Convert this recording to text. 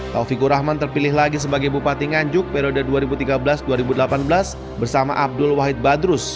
taufikur rahman terpilih lagi sebagai bupati nganjuk periode dua ribu tiga belas dua ribu delapan belas bersama abdul wahid badrus